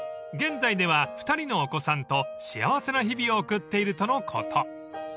［現在では２人のお子さんと幸せな日々を送っているとのこと］